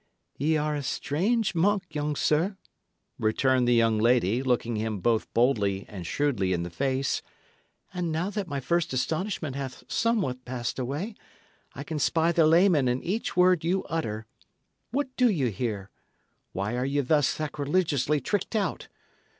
"Y' are a strange monk, young sir," returned the young lady, looking him both boldly and shrewdly in the face; "and now that my first astonishment hath somewhat passed away, I can spy the layman in each word you utter. What do ye here? Why are ye thus sacrilegiously tricked out?